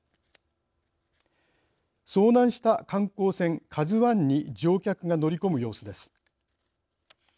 遭難した観光船「ＫＡＺＵⅠ」に乗客が乗り込む様子です。